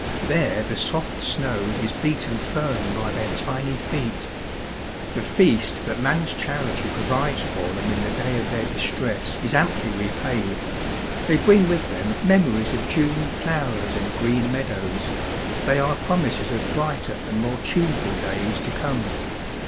There the soft snow is beaten firm by their tiny feet. The feast that man's charity provides for them in the day of their distress is amply repaid ; they bring with them memories of June flowers and green meadows ; they are promises of brighter and more tuneful days to come.